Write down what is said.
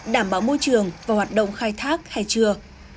đảm bảo môi trường và hoạt động khai thác hay chưa